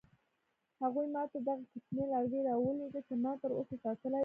هغوی ما ته دغه کوچنی لرګی راولېږه چې ما تر اوسه ساتلی دی.